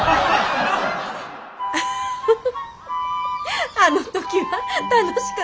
フフフあの時は楽しかったわね。